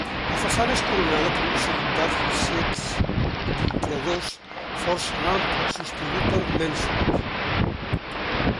La façana és coronada per un seguit d'arcs cecs d'intradós força ample sostingut per mènsules.